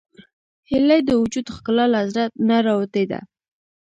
هیلۍ د وجود ښکلا له زړه نه راوتې ده